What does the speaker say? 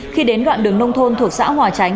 khi đến đoạn đường nông thôn thuộc xã hòa chánh